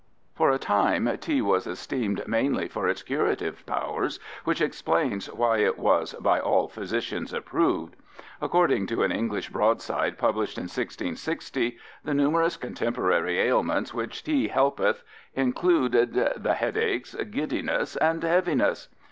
For a time tea was esteemed mainly for its curative powers, which explains why it was "by all Physitians approved." According to an English broadside published in 1660, the numerous contemporary ailments which tea "helpeth" included "the headaches, giddiness, and heaviness."